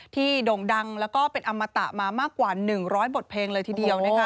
โด่งดังแล้วก็เป็นอมตะมามากกว่า๑๐๐บทเพลงเลยทีเดียว